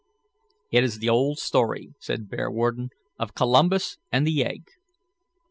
"It is the old story," said Bearwarden, "of Columbus and the egg.